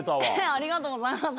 ありがとうございます。